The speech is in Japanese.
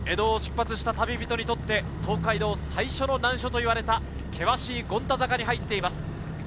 かつて江戸を出発した旅人にとって東海道、最初の難所と言われた険しい権太坂に入っています。